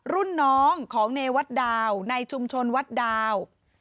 รุ่นน้องของเนวัตดาวในชุมชนวัดดาว